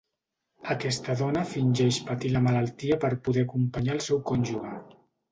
Aquesta dona fingeix patir la malaltia per poder acompanyar el seu cònjuge.